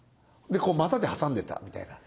でこう股で挟んでたみたいな。